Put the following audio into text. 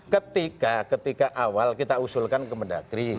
ketika awal kita usulkan kemendagri